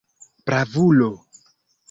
Bravulo!